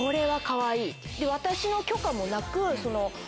私の許可もなく。